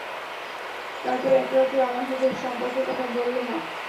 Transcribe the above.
তারপর এক রাতে আমার সাথে ওর সম্পর্কের কথা বললো মা।